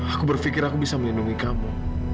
aku berpikir aku bisa melindungi kamu